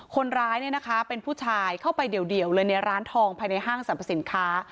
คนร้ายเป็นผู้ชายเข้าไปเดี่ยวเลยในร้านทองภายในห้างสรรพสินค้า